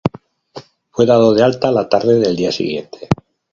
Fue dado de alta la tarde del día siguiente.